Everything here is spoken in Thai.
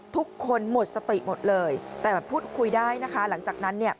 ทุกคนหมดสติหมดเลยแต่พูดคุยได้นะคะหลังจากนั้นเนี่ย